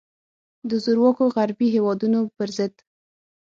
د زورواکو غربي هیوادونو پر ضد.